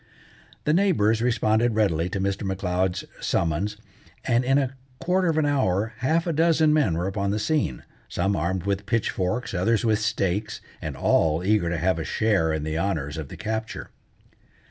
The neighbours responded readily to Mr. M'Leod's summons, and in a quarter of an hour half a dozen men were upon the scene, some armed with pitchforks, others with stakes, and all eager to have a share in the honours of the capture.